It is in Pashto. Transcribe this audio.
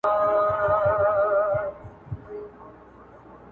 ددې کار لپاره مجبوره دی